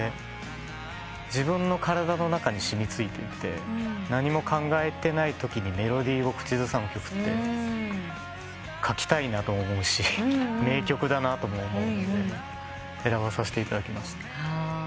自分の体の中に染み付いていて何も考えてないときにメロディーを口ずさむ曲って書きたいなと思うし名曲だなとも思うので選ばせていただきました。